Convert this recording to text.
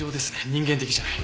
人間的じゃない。